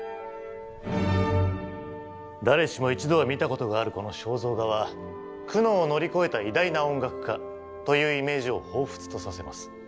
誰しも一度は見たことがあるこの肖像画は「苦悩を乗り越えた偉大な音楽家」というイメージをほうふつとさせます。